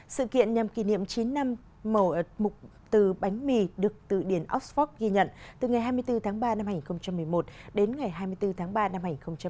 sự kiện nhằm kỷ niệm chín năm mục từ bánh mì được từ điển oxford ghi nhận từ ngày hai mươi bốn tháng ba năm hai nghìn một mươi một đến ngày hai mươi bốn tháng ba năm hai nghìn một mươi chín